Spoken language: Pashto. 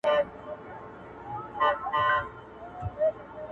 فی الحال خو به خوند وکړي